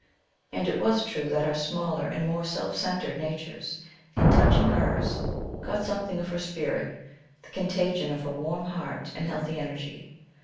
And it was true that our smaller and more self centred natures in touching hers caught something of her spirit, the contagion of her warm heart and healthy energy.